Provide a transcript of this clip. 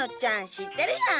知ってるやん！